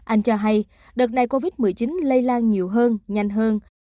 anh cho hay đợt này covid một mươi chín lây lan nhiều hơn nhanh hơn